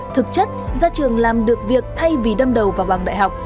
thực chất gia trường làm được việc thay vì đâm đầu vào bằng đại học